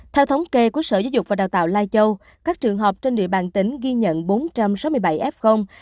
theo thống kê của sở giáo dục và đào tạo lai châu các trường học trên địa bàn tỉnh ghi nhận bốn trăm sáu mươi bảy f